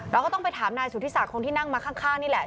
เราก็ต้องไปถามนายสุธิศักดิ์คนที่นั่งมาข้างนี่แหละ